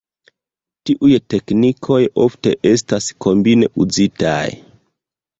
Tiuj teknikoj ofte estas kombine uzitaj.